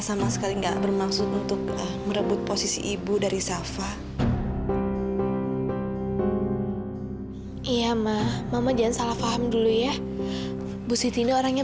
sampai jumpa di video selanjutnya